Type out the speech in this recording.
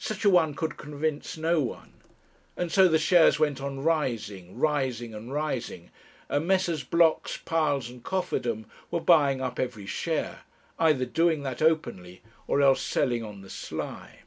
Such a one could convince no one! And so the shares went on rising, rising, and rising, and Messrs. Blocks, Piles, and Cofferdam were buying up every share; either doing that openly or else selling on the sly.